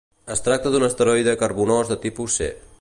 Es tracta d'un asteroide carbonós de tipus C.